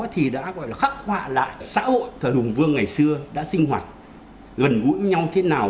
thì đã khắc họa lại xã hội thờ hùng vương ngày xưa đã sinh hoạt gần gũi với nhau thế nào